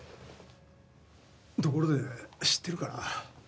ところで知ってるかな？